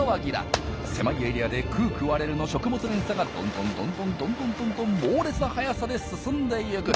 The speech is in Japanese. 狭いエリアで食う食われるの食物連鎖がどんどんどんどんどんどんどんどん猛烈な速さで進んでいく！